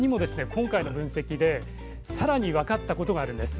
今回の分析でさらに分かったことがあるんです。